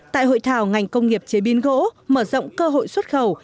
tại hội thảo ngành công nghiệp chế biến gỗ mở rộng cơ hội xuất khẩu